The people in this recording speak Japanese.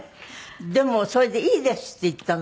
でもそれで「いいです」って言ったの？